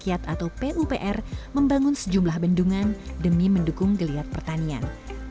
rakyat atau pupr membangun sejumlah bendungan demi mendukung geliat pertanian